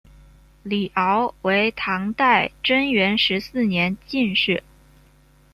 李翱为唐代贞元十四年进士。